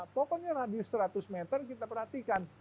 pokoknya radius seratus meter kita perhatikan